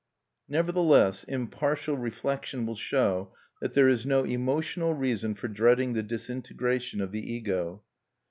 Nevertheless, impartial reflection will show that there is no emotional reason for dreading the disintegration of the Ego.